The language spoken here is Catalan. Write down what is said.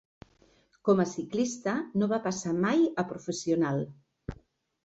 Com a ciclista no va passar mai a professional.